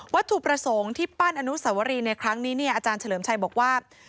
ถูกประสงค์ที่ปั้นอนุสวรีในครั้งนี้เนี่ยอาจารย์เฉลิมชัยบอกว่า